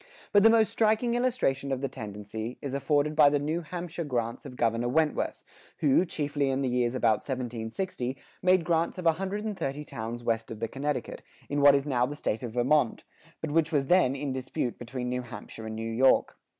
[77:1] But the most striking illustration of the tendency, is afforded by the "New Hampshire grants" of Governor Wentworth, who, chiefly in the years about 1760, made grants of a hundred and thirty towns west of the Connecticut, in what is now the State of Vermont, but which was then in dispute between New Hampshire and New York.